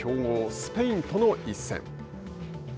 スペインとの一戦。